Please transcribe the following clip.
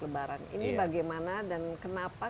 lebaran ini bagaimana dan kenapa